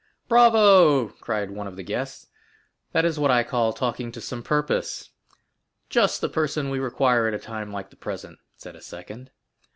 "Bravo!" cried one of the guests; "that is what I call talking to some purpose." "Just the person we require at a time like the present," said a second.